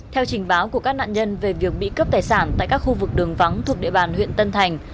theo trình báo của các nạn nhân về việc bị cướp tài sản tại các khu vực đường vắng thuộc địa bàn huyện tân thành